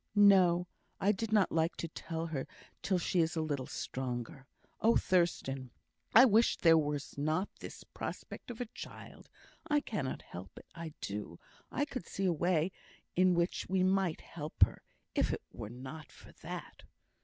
"No; I did not like to tell her till she is a little stronger. Oh, Thurstan! I wish there was not this prospect of a child. I cannot help it. I do I could see a way in which we might help her, if it were not for that."